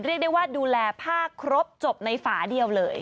เรียกได้ว่าดูแลผ้าครบจบในฝาเดียวเลย